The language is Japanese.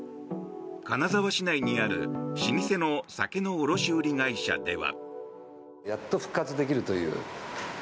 金沢市内にある老舗の酒の卸売会社では。